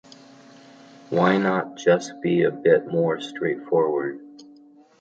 Why not just be a bit more straightforward?